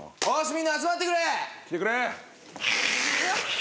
みんな集まってくれ！来てくれ！